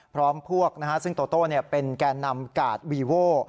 พร้อมพวกซึ่งโตโต้เป็นแก่นำกาดวีโว่